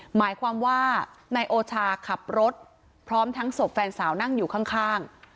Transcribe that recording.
หมายความว่านายโอชาขับรถพร้อมทั้งศพแฟนสาวนั่งอยู่ข้าง